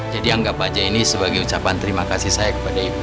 jadi anggap saja ini sebagai ucapan terima kasih saya kepada ibu